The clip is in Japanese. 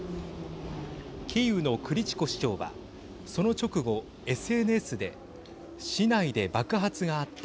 キーウのクリチコ市長はその直後ＳＮＳで市内で爆発があった。